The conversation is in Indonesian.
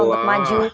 minta untuk maju